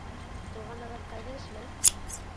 Туғанығыҙ ҡайҙа эшләй?